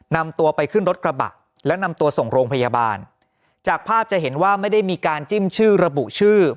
นำตัวไปขึ้นรถกระบะและนำตัวส่งโรงพยาบาลจากภาพจะเห็นว่าไม่ได้มีการจิ้มชื่อระบุชื่อ